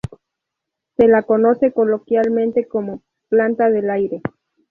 Se la conoce coloquialmente como "planta del aire".